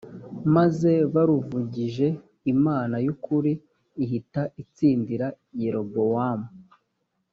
maze baruvugije imana y ukuri ihita itsindira yerobowamu